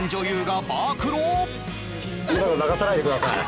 今の流さないでください